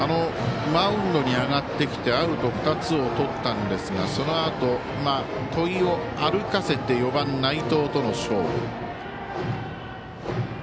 マウンドに上がってきてアウト２つをとったんですがそのあと戸井を歩かせて４番、内藤との勝負。